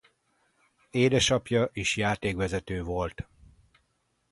Édesapja is játékvezető volt.